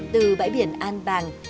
từ bãi biển an bàng